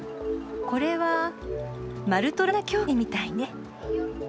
これは「マルトラーナ教会」みたいね。